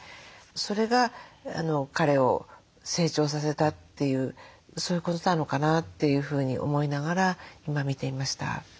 それが彼を成長させたというそういうことなのかなというふうに思いながら今見ていました。